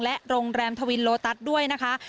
และโรงแรมทวินโลตัสด้วยนะคะ